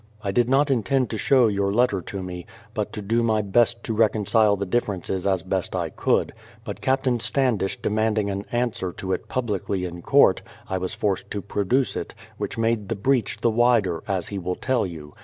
I did not intend to show your letter to me, but to do my best to reconcile the differences as best I could; but Captain Standish demanding an answer to it publicly in court, I was forced to produce it, which made the breach the wider, as he will tell you.